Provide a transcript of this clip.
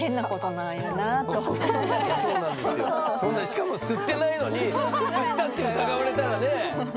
しかも吸ってないのに吸ったって疑われたらね？